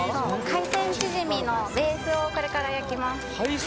海鮮チヂミのベースをこれから焼きます。